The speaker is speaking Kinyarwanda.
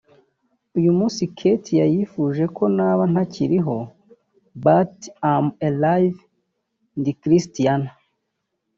uyu munsi Kethia yifuje ko naba ntakiriho but I'm alive ndi Christian